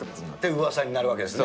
うわさになるわけですね。